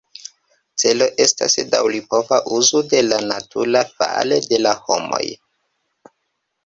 Celo estas daŭripova uzu de la naturo fare de la homoj.